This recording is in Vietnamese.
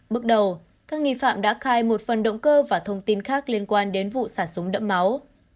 bước đầu các nghi phạm đã khai một phần động cơ và thông tin khác liên quan đến vụ sản súng đẫm máu